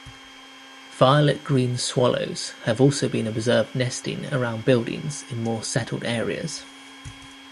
Violet-green swallows have also been observed nesting around buildings in more settled areas.